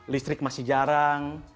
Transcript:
listrik masih jarang